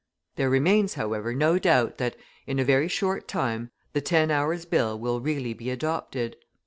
There remains, however, no doubt that, in a very short time, the Ten Hours' Bill will really be adopted.